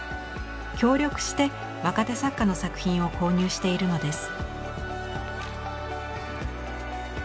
協力して若手作家の作品を購入しているのです。